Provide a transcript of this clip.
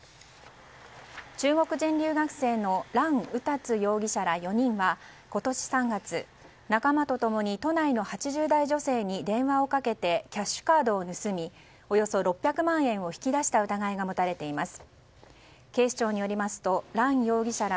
中国人留学生のラン・ウタツ容疑者ら４人は今年３月、仲間と共に都内の８０代女性に電話をかけてキャッシュカードを盗みおよそ６００万円を引き出した疑いが持たれています。